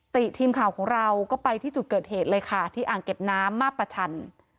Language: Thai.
ติทีมข่าวของเราก็ไปที่จุดเกิดเหตุเลยค่ะที่อ่างเก็บน้ำมาประชัน